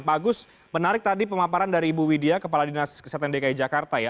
pak agus menarik tadi pemaparan dari ibu widya kepala dinas kesehatan dki jakarta ya